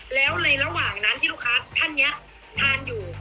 แล้วในระหว่างนั้นที่ลูกค้าท่านนี้ทานอยู่